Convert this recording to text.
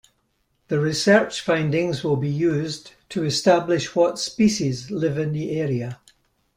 The research findings will be used to establish what species live in the area.